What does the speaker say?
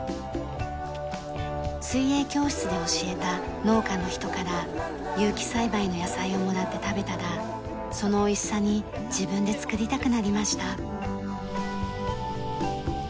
水泳教室で教えた農家の人から有機栽培の野菜をもらって食べたらそのおいしさに自分でつくりたくなりました。